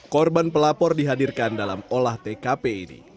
korban pelapor dihadirkan dalam olah tkp ini